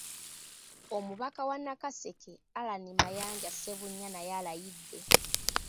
Omubaka wa Nakaseke, Allan Mayanja Ssebunnya naye alayidde.